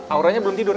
aura nya belum tidur